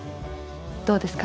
どうですか？